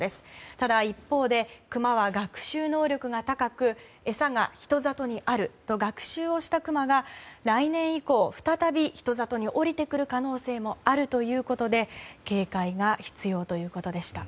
ただ一方でクマは学習能力が高く餌が人里にあると学習をしたクマが来年以降、再び人里に下りてくる可能性もあるということで警戒が必要ということでした。